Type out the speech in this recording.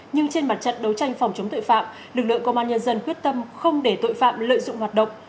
nhưng trên mặt trận đấu tranh phòng chống tội phạm lực lượng công an nhân dân quyết tâm không để tội phạm lợi dụng hoạt động